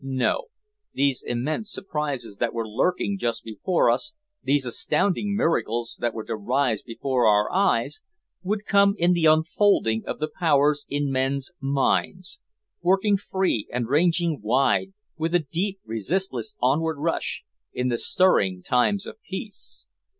No, these immense surprises that were lurking just before us, these astounding miracles that were to rise before our eyes, would come in the unfolding of the powers in men's minds, working free and ranging wide, with a deep resistless onward rush in the stirring times of peace!